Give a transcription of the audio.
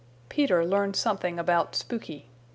Peter Learns Something About Spooky.